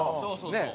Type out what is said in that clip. ねえ。